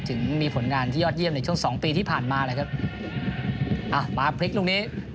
ถึงมีผลงานที่ยอดเยี่ยมในช่วงสองปีที่ผ่านมาเลยครับอ่ะมาพลิกลูกนี้